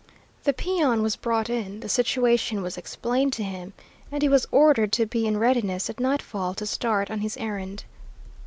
The peon was brought in, the situation was explained to him, and he was ordered to be in readiness at nightfall to start on his errand.